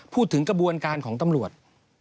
พูดถึงกระบวนการของตำรวจ